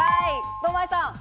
堂前さん。